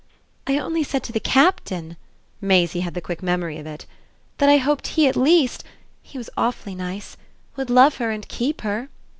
"I only said to the Captain" Maisie had the quick memory of it "that I hoped he at least (he was awfully nice!) would love her and keep her."